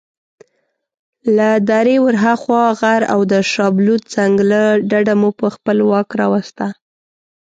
له درې ورهاخوا غر او د شابلوط ځنګله ډډه مو په خپل واک راوسته.